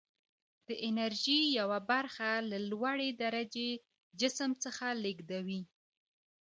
د انرژي یوه برخه له لوړې درجې جسم څخه لیږدوي.